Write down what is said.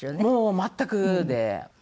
もう全くで。